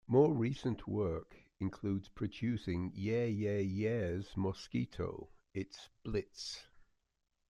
More recent work includes producing Yeah Yeah Yeahs' Mosquito, It's Blitz!